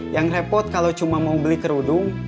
yang repot kalau cuma mau beli kerudung